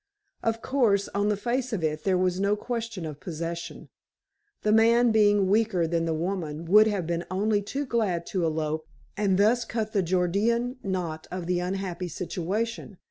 Of course, on the face of it, there was no question of possession. The man being weaker than the woman would have been only too glad to elope, and thus cut the Gordian knot of the unhappy situation.